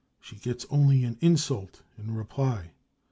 She gets only an insult in reply.